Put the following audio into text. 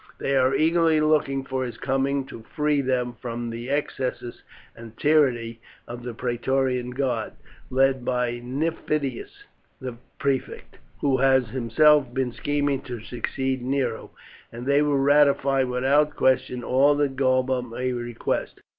They are eagerly looking for his coming to free them from the excesses and tyranny of the Praetorian guard, led by Nymphidius the prefect, who has himself been scheming to succeed Nero, and they will ratify without question all that Galba may request.